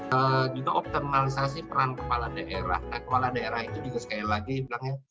juga optimalisasi peran kepala daerah nah kepala daerah itu juga sekali lagi